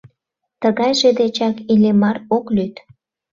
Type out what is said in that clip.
Тыгайже дечак Иллимар ок лӱд!